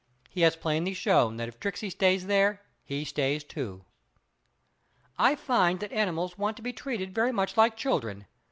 He has plainly shown that if Tricksey stays there he stays too. I find that animals want to be treated very much like children.